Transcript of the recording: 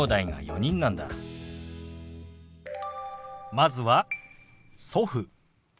まずは「祖父」。